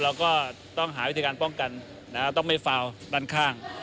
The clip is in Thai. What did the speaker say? เราก็ต้องหาวิธีการป้องกันต้องไม่ฟาวด้านข้าง